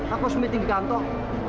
aku harus meeting di kantor